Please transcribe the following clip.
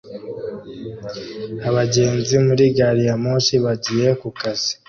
abagenzi muri gari ya moshi bagiye ku kazi